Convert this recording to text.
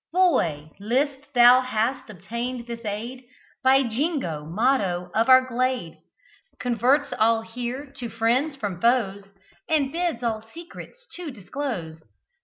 Boy! list thou hast obtained this aid. "By Jingo" motto of our glade Converts all here to friends from foes, And bids all secrets to disclose.